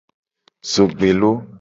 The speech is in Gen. Zogbelo.